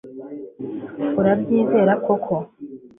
Urabyizera koko